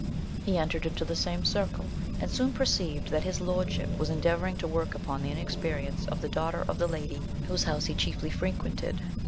He entered into the same circle, and soon perceived, that his Lordship was endeavouring to work upon the inexperience of the daughter of the lady whose house he chiefly frequented.